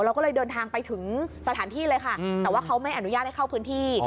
เราก็เลยเดินทางไปถึงสถานที่เลยค่ะแต่ว่าเขาไม่อนุญาตให้เข้าพื้นที่